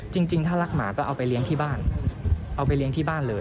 จริงถ้ารักหมาก็เอาไปเลี้ยงที่บ้าน